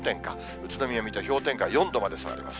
宇都宮、水戸、氷点下４度まで下がります。